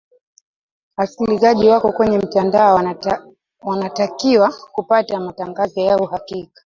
wasikilizaji wako kwenye mtandao wanatakiwa kupata matangazo ya uhakika